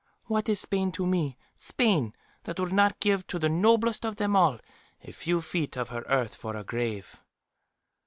"What is Spain to me Spain, that would not give to the noblest of them all a few feet of her earth for a grave?"